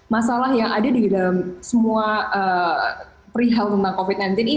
masalah yang ada di dalam semua perihal tentang covid sembilan belas ini